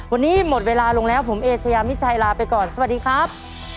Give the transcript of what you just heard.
วันนี้หมดเวลาลงแล้วผมเอเชยามิชัยลาไปก่อนสวัสดีครับ